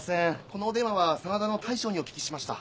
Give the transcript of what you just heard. このお電話は「さな田」の大将にお聞きしました。